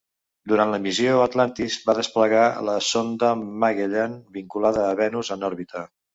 Durant la missió, "Atlantis" va desplegar la sonda "Magellan" vinculada a Venus en òrbita.